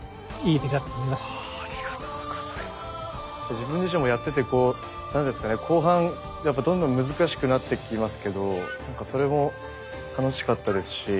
自分自身もやっててこう何ですかね後半やっぱどんどん難しくなってきますけどなんかそれも楽しかったですしやりたいですね。